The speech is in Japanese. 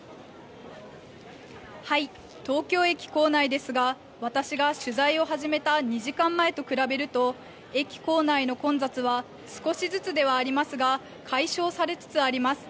東京駅構内ですが、私が取材を始めた２時間前と比べると、駅構内の混雑は少しずつではありますが、解消されつつあります。